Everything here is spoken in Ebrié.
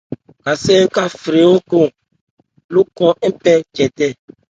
Sɛ khɛ́n a phɛ ahrân lókɔn ń pɛ jɛtɛ̂n.